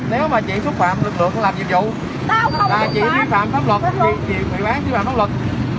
nếu mà chị xúc phạm lực lượng làm dịch vụ là chị thuy phạm pháp luật chị bị bán thuy phạm pháp luật